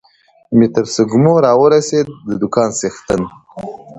مې تر سږمو را ورسېد، د دوکان څښتن.